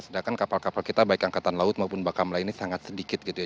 sedangkan kapal kapal kita baik angkatan laut maupun bakamla ini sangat sedikit gitu ya